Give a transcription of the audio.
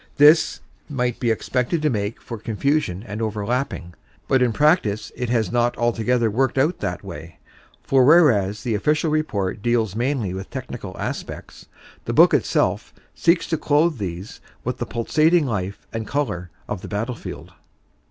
This might be expected to make for confusion and overlapping, but in practice it has not altogether worked out that way, for whereas the Official Report deals mainly with technical aspects, the book itself seeks to clothe these with the pulsating life and color of the battlefield.